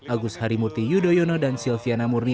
agus harimurti yudhoyono dan silviana murni